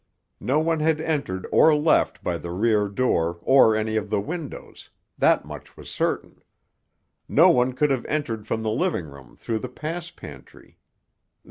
No one had entered or left by the rear door or any of the windows—that much was certain. No one could have entered from the living room through the pass pantry.